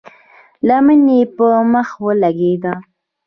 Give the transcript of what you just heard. لمن يې پر مخ ولګېده.